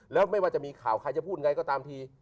แล้วไม่ว่าจะมีข่าวใครจะพูดยังไงก็ตามที